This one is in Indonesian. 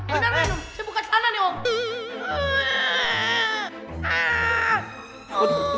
beneran om saya buka celana nih om